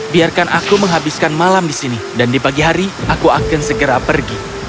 biarkan aku menghabiskan malam di sini dan di pagi hari aku akan segera pergi